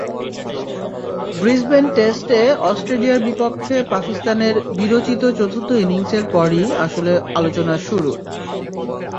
Brisbane টেস্টে অস্ট্রেলিয়ার বিপক্ষে পাকিস্তানের বীরোচিত চতুর্থ ইনিংসের পরই আসলে আলোচনার শুরু।